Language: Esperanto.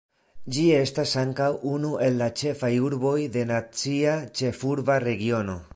Ĝi estas ankaŭ unu el la ĉefaj urboj de Nacia Ĉefurba Regiono.